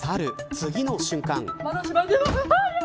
次の瞬間。